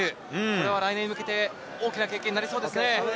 これは来年に向けて大きな経験になりそうですね。